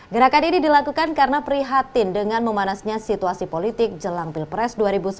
gerakan ini dilakukan karena prihatin dengan memanasnya situasi politik jelang pilpres dua ribu sembilan belas